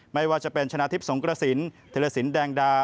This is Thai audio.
ไม่ว่าจะเป็นชนะทิพย์สงกระสินธิรสินแดงดา